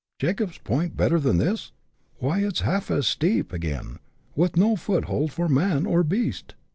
" Jacob's Point better than this ? why, it*s half as steep again, with no foothold for man or beast.